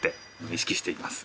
意識しています。